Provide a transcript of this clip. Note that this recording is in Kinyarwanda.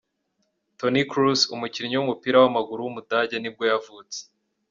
Toni Kroos, umukinnyi w’umupira w’amaguru w’umudage nibwo yavutse.